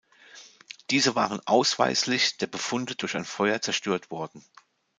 Diese waren ausweislich der Befunde durch ein Feuer zerstört worden.